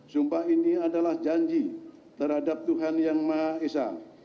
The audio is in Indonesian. sumpah ini adalah janji terhadap tuhan yang maha esa